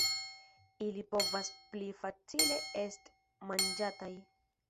Ili povas pli facile est manĝataj.